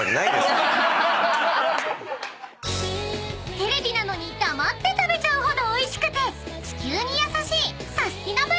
［テレビなのに黙って食べちゃうほどおいしくて地球に優しい］